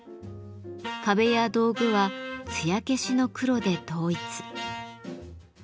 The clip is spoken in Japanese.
壁や道具は「つや消しの黒」で統一。